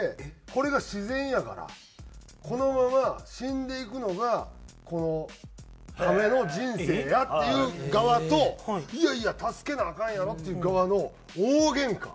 これが自然やからこのまま死んでいくのがこのカメの人生やっていう側といやいや助けなアカンやろっていう側の大げんか。